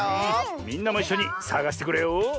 みんなもいっしょにさがしてくれよ！